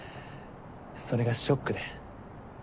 それがショックで。